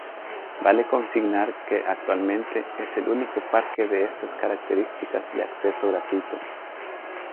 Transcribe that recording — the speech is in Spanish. Vale consignar que actualmente es el único parque de estas características de acceso gratuito.